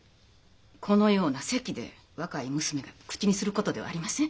このような席で若い娘が口にすることではありません。